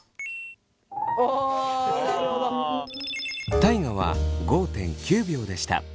大我は５．９秒でした。